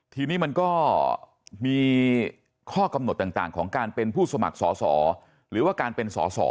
ทีนี้มันก็มีข้อกำหนดต่างของการเป็นผู้สมัครสอสอหรือว่าการเป็นสอสอ